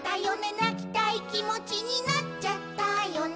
「なきたいきもちになっちゃったよね」